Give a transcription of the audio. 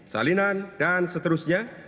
salinan dan seterusnya